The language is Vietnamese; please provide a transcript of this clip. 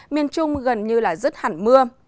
miền trung gần như rứt hẳn mưa